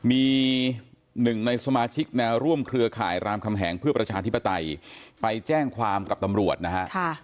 มีหนึ่งในสมาชิกแนวร่วมเครือข่ายรามคำแหงเพื่อประชาธิปไตยไปแจ้งความกับตำรวจนะฮะ